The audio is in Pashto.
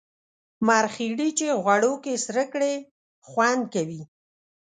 مرخیړي چی غوړو کی سره کړی خوند کوي